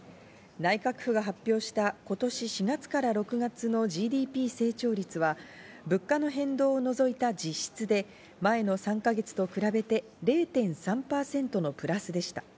内閣府が発表した今年４月から６月のＧＤＰ成長率は、物価の変動を除いた実質で前の３か月と比べて０．３％のプラスでした。